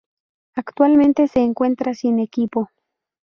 Actualmente se encuentra sin equipo